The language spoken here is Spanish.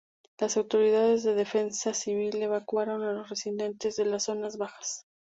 Las autoridades de defensa civil evacuaron a los residentes de las zonas bajas.